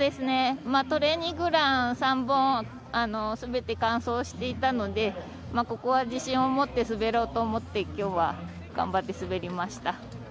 トレーニングラン３本滑って完走していたのでここは自信を持って滑ろうと思って今日は頑張って滑りました。